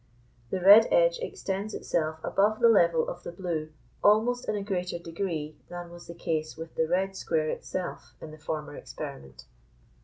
The red edge extends itself above the level of the blue almost in a greater degree than was the case with the red square itself in the former experiment.